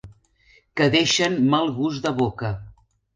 Que deixen mal gust de boca.